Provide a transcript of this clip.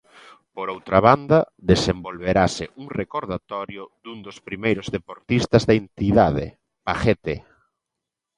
Por outra banda, desenvolverase un recordatorio dun dos primeiros deportistas da entidade, 'Pajete'.